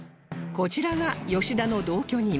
こちらが吉田の同居人